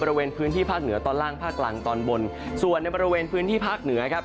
บริเวณพื้นที่ภาคเหนือตอนล่างภาคกลางตอนบนส่วนในบริเวณพื้นที่ภาคเหนือครับ